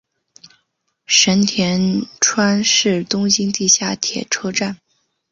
神田川是东京地下铁车站。